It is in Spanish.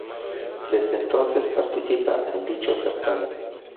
Desde entonces participa en dicho certamen.